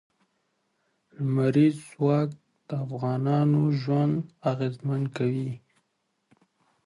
لمریز ځواک د افغانانو ژوند اغېزمن کوي.